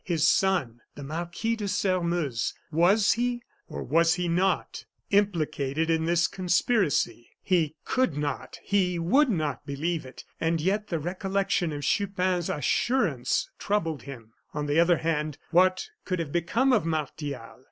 His son, the Marquis de Sairmeuse, was he, or was he not, implicated in this conspiracy? He could not, he would not, believe it; and yet the recollection of Chupin's assurance troubled him. On the other hand, what could have become of Martial?